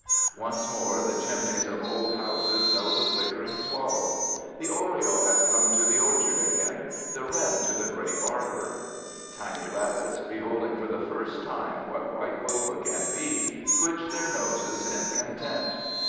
Once more the chimneys of old houses know the flickering swallow. The oriole has come to the orchard again, the wren to the grape arbor. Tiny rabbits, beholding for the first time what white clover can be, twitch their noses in content.